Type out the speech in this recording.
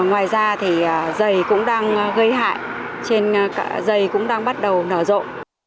ngoài ra thì dày cũng đang gây hại trên dày cũng đang bắt đầu nở rộng